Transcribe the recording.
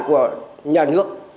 của nhà nước